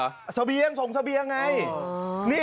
อ๋อนี่แหละครับขณะเจ้าหน้าที่ยังส่งเสเบียงเสียแป้งอยู่ยังไงเนี่ย